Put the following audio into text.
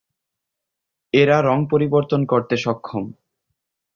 এরা রঙ পরিবর্তন করতে সক্ষম।